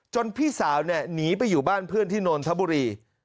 จนพี่สาวหนีไปอยู่บ้านเพื่อนที่นนท์ธบุรี